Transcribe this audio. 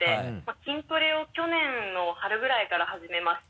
筋トレを去年の春ぐらいから始めました。